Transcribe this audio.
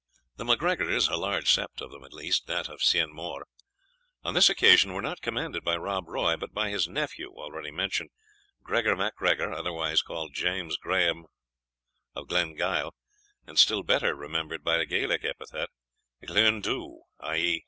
The MacGregors, a large sept of them at least, that of Ciar Mhor, on this occasion were not commanded by Rob Roy, but by his nephew already mentioned, Gregor MacGregor, otherwise called James Grahame of Glengyle, and still better remembered by the Gaelic epithet of _Ghlune Dhu, i.